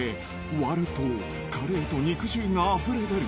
割ると、カレーと肉汁があふれ出る。